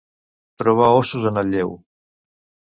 Trobar ossos en el lleu.